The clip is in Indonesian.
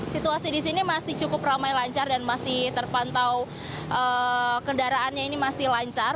situasi di sini masih cukup ramai lancar dan masih terpantau kendaraannya ini masih lancar